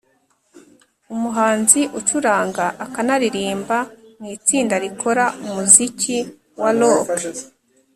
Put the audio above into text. umuhanzi ucuranga akanaririmba mu itsinda rikora umuziki wa rock